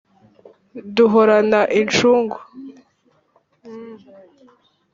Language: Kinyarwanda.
duhorana incungu,